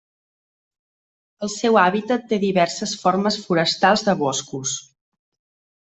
El seu hàbitat té diverses formes forestals de boscos.